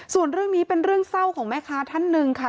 ส่วนเรื่องนี้เป็นเรื่องเศร้าของแม่ค้าท่านหนึ่งค่ะ